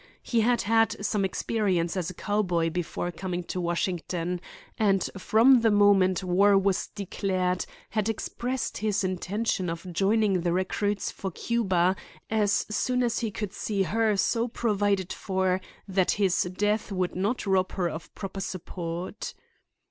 He had had some experience as a cowboy before coming to Washington, and from the moment war was declared had expressed his intention of joining the recruits for Cuba as soon as he could see her so provided for that his death would not rob her of proper support.